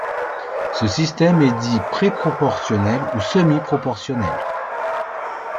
Ce système est dit pré-proportionnel ou semi-proportionnel.